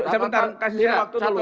saya bentar kasih waktunya dulu